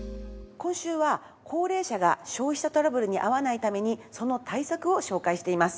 今週は高齢者が消費者トラブルに遭わないためにその対策を紹介しています。